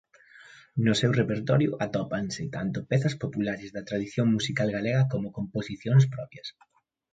No seu repertorio atópanse tanto pezas populares da tradición musical galega como composicións propias.